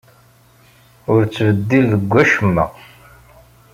Ur tbeddel deg wacemma.